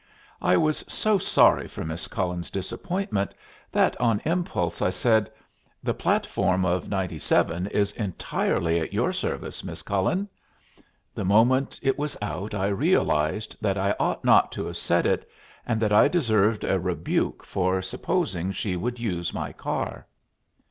I was so sorry for Miss Cullen's disappointment that on impulse I said, "The platform of 97 is entirely at your service, Miss Cullen." The moment it was out I realized that I ought not to have said it, and that I deserved a rebuke for supposing she would use my car.